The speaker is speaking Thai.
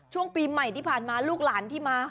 ช่วงปีใหม่ที่ผ่านมาลูกหลานที่มา